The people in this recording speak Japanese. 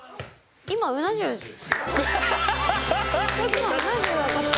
今うな重当たった？